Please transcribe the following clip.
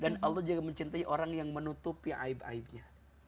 dan allah juga mencintai orang yang menutupi aib aibnya